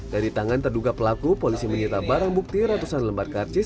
dari tangan terduga pelaku polisi menyita barang bukti ratusan lembar karcis